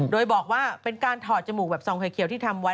โดยบอกว่าเป็นการถอดจมูกแบบซองไข่เขียวที่ทำไว้